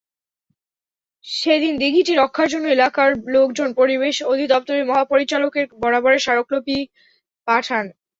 সেদিন দিঘিটি রক্ষার জন্য এলাকার লোকজন পরিবেশ অধিদপ্তরের মহাপরিচালকের বরাবরে স্মারকলিপি পাঠান।